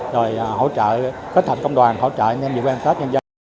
rồi hỗ trợ kết hợp công đoàn hỗ trợ anh em đi qua em tết